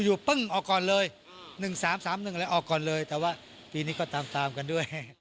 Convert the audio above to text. ปึ้งออกก่อนเลย๑๓๓๑อะไรออกก่อนเลยแต่ว่าปีนี้ก็ตามกันด้วย